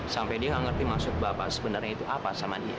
sampai dia nggak ngerti maksud bapak sebenarnya itu apa sama dia